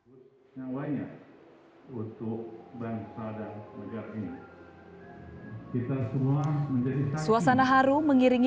hai yang banyak untuk bangsa dan negara ini kita semua menjadi suasana haru mengiringi